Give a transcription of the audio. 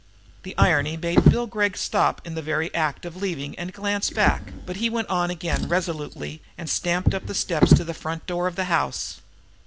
The irony made Bill Gregg stop in the very act of leaving and glance back. But he went on again resolutely and stamped up the steps to the front door of the house.